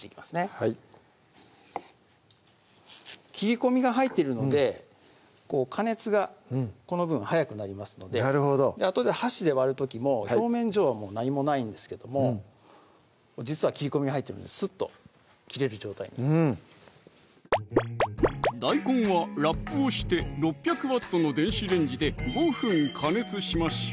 はい切り込みが入っているので加熱がこの分早くなりますのでなるほどあとで箸で割る時も表面上は何もないんですけども実は切り込みが入ってるのですっと切れる状態に大根はラップをして６００Ｗの電子レンジで５分加熱しましょう